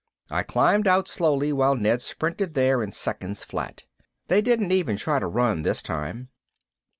I climbed out slowly while Ned sprinted there in seconds flat. They didn't even try to run this time.